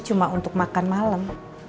cuma untuk makan malam